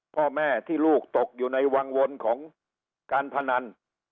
พ่อแม่ที่ลูกตกอยู่ในวังวลของการพนัน